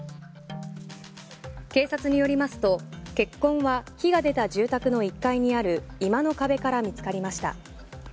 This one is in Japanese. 警察によりますと血痕は火が出た住宅の１階にある居間の壁から見つかりました。